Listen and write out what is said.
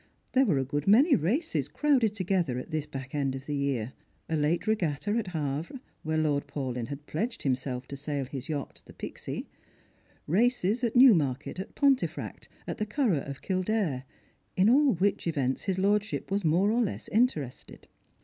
There were a good many races crowded together at this " back end " of the year : a late regatta at Havre, where LordPaulyn had jjledged himself to sail his yacht, the Pixy ; races at Newmarket, at Pontefract, at the Curragh of Kildare, in all which ev ents his lordship was more or less interested.